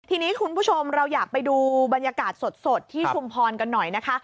ทีนี้คุณผู้ชมเราอยากไปดูบรรยากาศสดที่ชุมพรกันหน่อยนะคะ